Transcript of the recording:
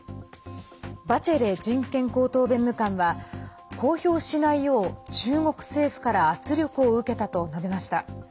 バチェレ人権高等弁務官は公表しないよう、中国政府から圧力を受けたと述べました。